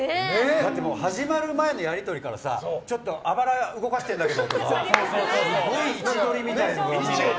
だって始まる前のやり取りからちょっとあばら動かしてんだけどとかすごい位置取りみたいなの。